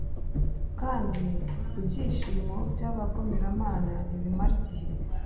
kandi ibyishimo by'abagomeramana ntibimare igihe